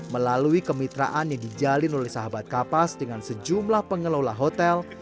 melalui kemitraan yang dijalin oleh sahabat kapas dengan sejumlah pengelola hotel